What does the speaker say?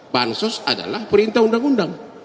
pansus adalah perintah undang undang